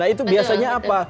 nah itu biasanya apa